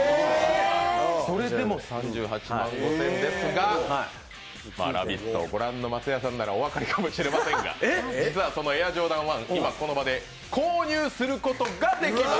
それでも３８万５０００円ですが、「ラヴィット！」をご覧の松也さんならご存じだと思いますが、エアジョーダン１、今この場で購入することができます。